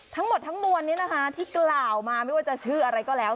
ทั้งหมดทั้งมวลนี้นะคะที่กล่าวมาไม่ว่าจะชื่ออะไรก็แล้ว